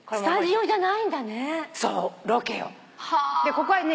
ここはね